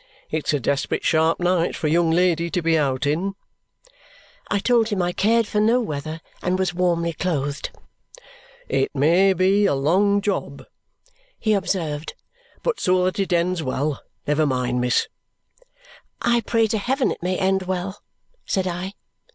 "It's a desperate sharp night for a young lady to be out in." I told him I cared for no weather and was warmly clothed. "It may be a long job," he observed; "but so that it ends well, never mind, miss." "I pray to heaven it may end well!" said I.